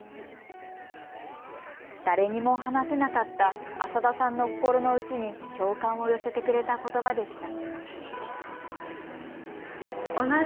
誰にも話せなかった浅田さんの心の内に共感を寄せてくれたことばでした。